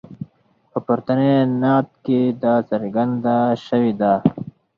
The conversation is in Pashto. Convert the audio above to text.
په پورتني نعت کې دا څرګنده شوې ده.